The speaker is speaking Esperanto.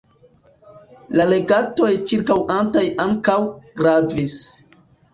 La lagetoj ĉirkaŭantaj ankaŭ gravis.